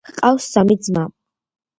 ჰყავს სამი ძმა.